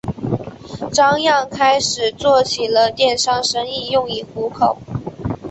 张漾开始做起了电商生意用以糊口。